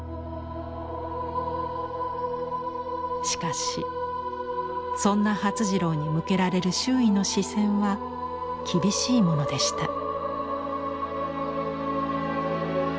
しかしそんな發次郎に向けられる周囲の視線は厳しいものでした。